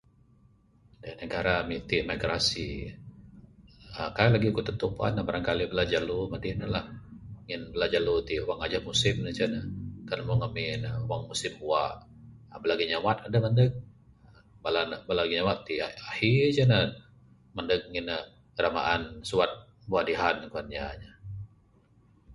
Da negara ami ti migrasi uhh kaik lagih ku tantu puan ne barangkali bala jalu matin ne la. Wang bala jalu ti ngajah musim ne. Kan ne meng ngamin musim bua bala ginyawat adeh lagih maneg. Bala ginyawat to ahi ce ne maneg ngin ne ra maan suwat bua dihan kuan inya.